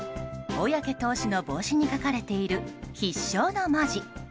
小宅投手の帽子に書かれている「必笑」の文字。